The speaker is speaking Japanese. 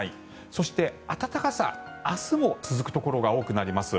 そして、暖かさ明日も続くところが多くなります。